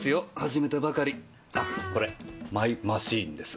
あっこれマイマシーンです。